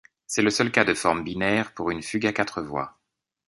C'est le seul cas de forme binaire pour une fugue à quatre voix.